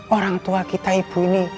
orang tua kita ibu ini